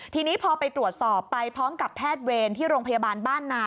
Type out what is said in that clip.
ทีนี้พอไปตรวจสอบไปพร้อมกับแพทย์เวรที่โรงพยาบาลบ้านนา